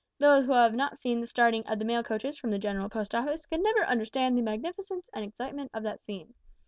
Those who have not seen the starting of the mail coaches from the General Post Office can never understand the magnificence and excitement of that scene.